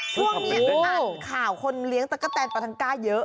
ช่วงนี้อ่านข่าวคนเลี้ยงตะกะแตนปลาทังก้าเยอะ